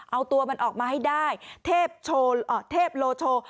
เอาตัวมันออกมาให้ได้เทพโลโช